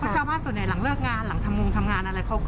ชาวบ้านส่วนใหญ่หลังเลิกงานหลังทำงงทำงานอะไร